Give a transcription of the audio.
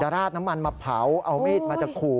ราดน้ำมันมาเผาเอามีดมาจะขู่